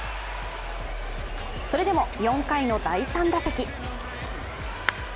それでも４回の第３打席。